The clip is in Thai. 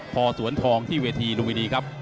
พอสวนทองที่เวทีดูมิดีครับ